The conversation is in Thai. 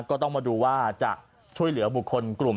ก็ต้องมาดูว่าจะช่วยเหลือบุคคลกลุ่ม